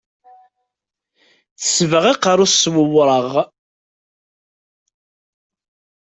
Tesbeɣ aqerru-s s uwraɣ.